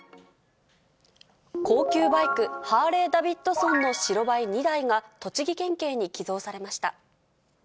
高級バイク、ハーレー・ダビッドソンの白バイ２台が、栃木県警に寄贈されました。